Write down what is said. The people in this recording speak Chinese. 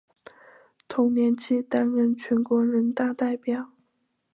同年起担任全国人大代表。